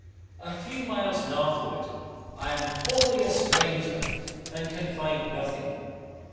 A few miles northward I am wholly a stranger, and can find nothing.